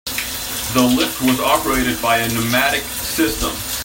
The lift was operated by a pneumatic system.